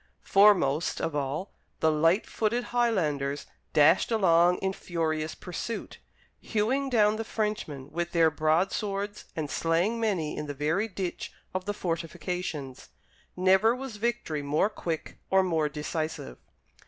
Foremost of all, the light footed Highlanders dashed along in furious pursuit, hewing down the Frenchmen with their broadswords and slaying many in the very ditch of the fortifications. Never was victory more quick or more decisive.